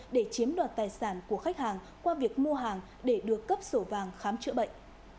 để chiếm đoạt tài sản của khách hàng qua việc mua hàng để được cấp sổ vàng khám chữa bệnh